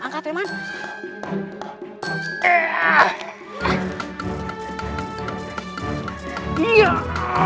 sabar sedang bang